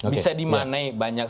bisa dimanai banyak